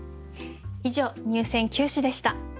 以上入選九首でした。